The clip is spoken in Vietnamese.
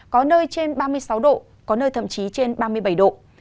có nơi trên ba mươi sáu độ có nơi thậm chí trên ba mươi bảy độ